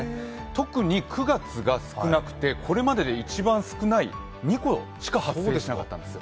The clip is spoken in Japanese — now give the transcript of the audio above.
特に９月が少なくてこれまでで一番少ない２個しか発生していなかったんですよ。